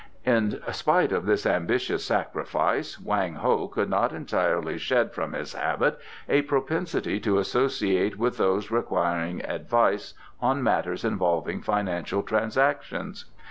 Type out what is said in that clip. In spite of this ambitious sacrifice Wang Ho could not entirely shed from his habit a propensity to associate with those requiring advice on matters involving financial transactions.